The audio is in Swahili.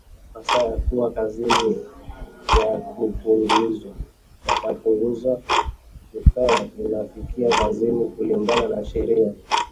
Masaa ya kuwa kazini yakapunguzwa tukawa tunafika kazini kulingana na sheria